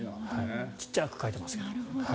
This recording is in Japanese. ちっちゃく書いています。